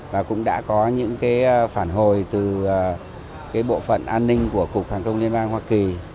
và cũng đã có những cái phản hồi từ cái bộ phận an ninh của cục hàng thông liên bang hoa kỳ